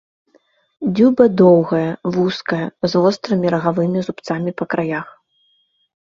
Дзюба доўгая, вузкая, з вострымі рагавымі зубцамі па краях.